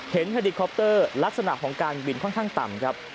เฮลิคอปเตอร์ลักษณะของการบินค่อนข้างต่ำครับ